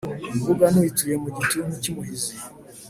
imbuga nayituye mu gituntu cy’umuhizi,